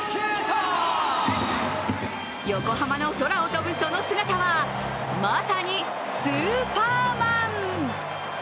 横浜の空を飛ぶその姿はまさにスーパーマン。